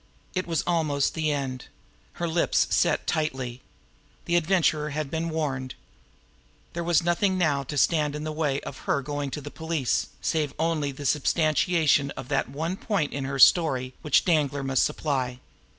It was almost the end. Her lips set tightly. The Adventurer had been warned. There was nothing now to stand in the way of her going to the police, save only the substantiation of that one point in her own story which Danglar must supply.